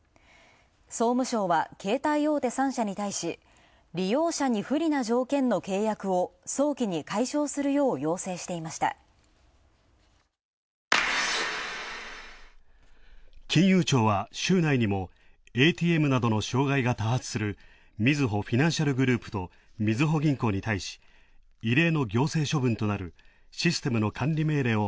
総務省は、携帯大手３社に対し利用者に不利な条件の契約を早期に解消するよう要請していました金融庁は週内にもＡＴＭなどの障がいが多発するみずほフィナンシャルグループとみずほ銀行に対し異例の行政処分となるシステムの管理命令を